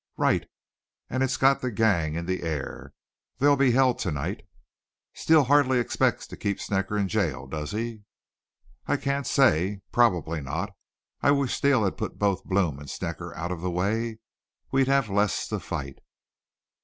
"Right. An' it's got the gang in the air. There'll be hell to night." "Steele hardly expects to keep Snecker in jail, does he?" "I can't say. Probably not. I wish Steele had put both Blome and Snecker out of the way. We'd have less to fight."